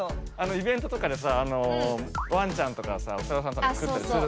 イベントとかでさワンちゃんとかさお猿さんとか作ってるあれでしょ。